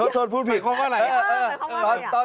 โทษพูดผิด